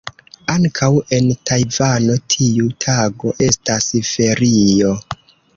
Ankaŭ en Tajvano tiu tago estas ferio.